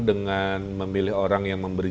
dengan memilih orang yang memberi